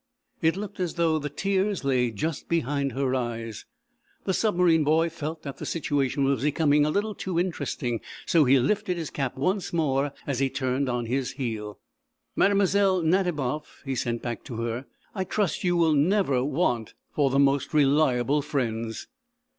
It looked as though the tears lay just behind her eyes. The submarine boy felt that the situation was becoming too interesting, so he lifted his cap once more as he turned on his heel. "Mlle. Nadiboff," he sent back to her, "I trust you will never want for the most reliable friends."